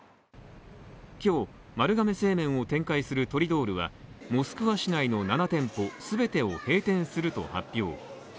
今日、丸亀製麺を展開するトリドールはモスクワ市内の７店舗全てを閉店すると発表。